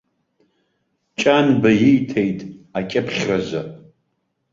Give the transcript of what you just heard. Ҷанба ииҭеит акьыԥхьразы.